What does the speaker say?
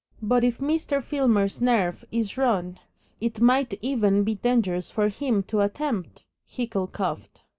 "But if Mr. Filmer's nerve is run It might even be dangerous for him to attempt " Hickle coughed.